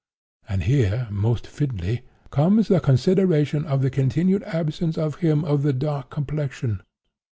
"And here, most fitly, comes the consideration of the continued absence of him of the dark complexion.